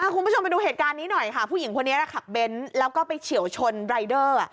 คุณผู้ชมไปดูเหตุการณ์นี้หน่อยค่ะผู้หญิงคนนี้ขับเบ้นแล้วก็ไปเฉียวชนรายเดอร์